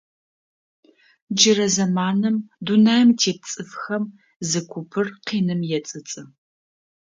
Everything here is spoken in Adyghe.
Джырэ зэманым, дунаим тет цӏыфхэмэ, зы купыр къиным ецӏыцӏы.